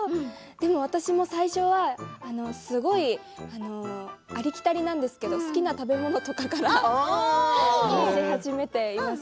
でも私も最初は、すごいありきたりなんですけど好きな食べ物とかから話し始めています。